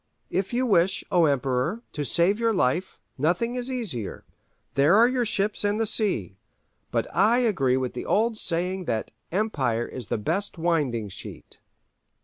If you wish, O Emperor, to save your life, nothing is easier: there are your ships and the sea. But I agree with the old saying that 'Empire is the best winding sheet.